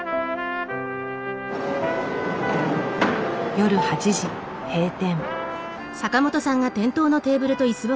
夜８時閉店。